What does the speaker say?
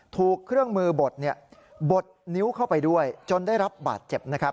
ถูกเครื่องมือบดบดนิ้วเข้าไปด้วยจนได้รับบาดเจ็บนะครับ